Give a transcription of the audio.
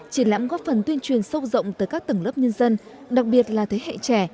triển lãm góp phần tuyên truyền sâu rộng tới các tầng lớp nhân dân đặc biệt là thế hệ trẻ